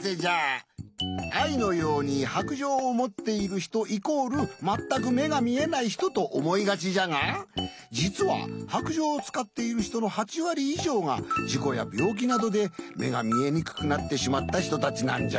アイのように「白杖をもっているひとイコールまったくめがみえないひと」とおもいがちじゃがじつは白杖をつかっているひとの８わりいじょうがじこやびょうきなどでめがみえにくくなってしまったひとたちなんじゃ。